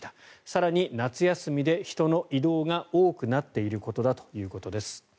更に夏休みで人の移動が多くなっていることだということです。